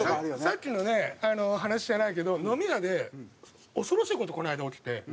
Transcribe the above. さっきのね話じゃないけど飲み屋で恐ろしい事この間起きて。